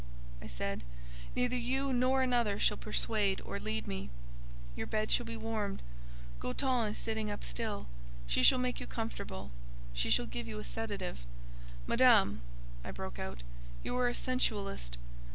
I said; "neither you nor another shall persuade or lead me." "Your bed shall be warmed. Goton is sitting up still. She shall make you comfortable: she shall give you a sedative." "Madame," I broke out, "you are a sensualist.